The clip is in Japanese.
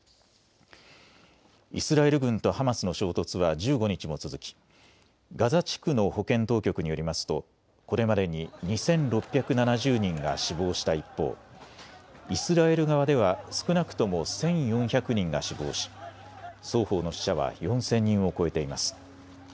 イスラエル軍とハマスの衝突は１５日も続き、ガザ地区の保健当局によりますとこれまでに２６７０人が死亡した一方、イスラエル側では少なくとも１４００人が死亡し双方の死者は４０００人を超えています。